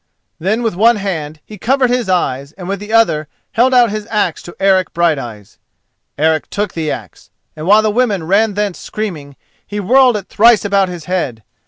Then with one hand he covered his eyes and with the other held out his axe to Eric Brighteyes. Eric took the axe, and while the women ran thence screaming, he whirled it thrice about his head.